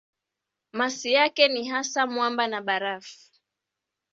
Masi yake ni hasa mwamba na barafu.